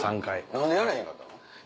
何でやれへんかったの？